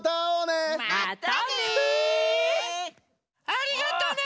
ありがとね！